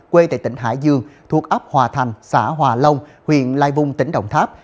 quê tại tỉnh hải dương thuộc ấp hòa thành xã hòa long huyện lai vung tỉnh đồng tháp